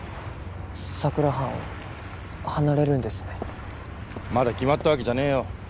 佐久良班を離れるんですねまだ決まったわけじゃねえよ